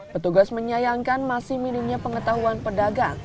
petugas menyayangkan masih minimnya pengetahuan pedagang